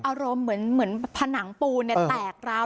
อารมณ์เหมือนผนังปูนแตกราว